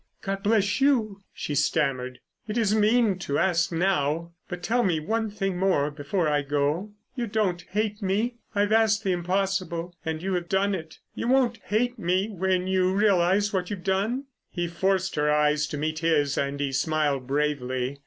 "God bless you," she stammered. "It is mean to ask now, but tell me one thing more before I go. You don't hate me? I've asked the impossible, and you have done it—you won't hate me when you realise what you've done?" He forced her eyes to meet his and he smiled bravely.